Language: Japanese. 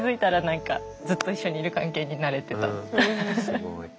すごい。